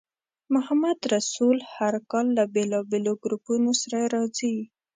محمدرسول هر کال له بېلابېلو ګروپونو سره راځي.